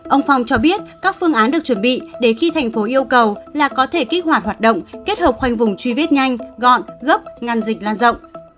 ông phong cho biết các phương án được chuẩn bị để khi thành phố yêu cầu là có thể kích hoạt hoạt động kết hợp khoanh vùng truy vết nhanh gọn gấp ngăn dịch lan rộng